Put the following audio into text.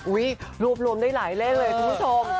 อุ้ยรวบรวมได้หลายเล่นเลยทุกคุณผู้ชม